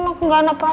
gak ada apa apa